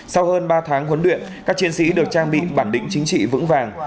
sau hơn ba tháng huấn luyện các chiến sĩ được trang bị bản định chính trị vững vàng